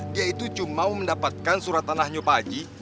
dia itu cuma mau mendapatkan surat tanahnya pak haji